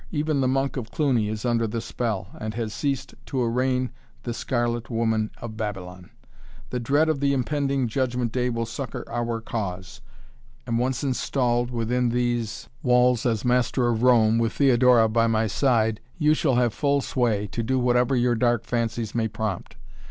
Even the Monk of Cluny is under the spell, and has ceased to arraign the Scarlet Woman of Babylon. The dread of the impending judgment day will succor our cause. And once installed within these walls as master of Rome with Theodora by my side you shall have full sway, to do whatever your dark fancies may prompt.